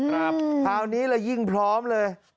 ครับคราวนี้ยิ่งพร้อมเลย